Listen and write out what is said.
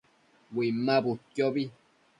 Uinmabudquiobi